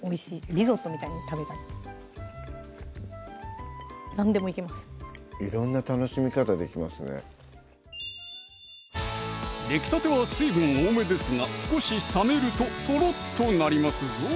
リゾットみたいに食べたり何でもいけます色んな楽しみ方できますねできたては水分多めですが少し冷めるとトロッとなりますぞ！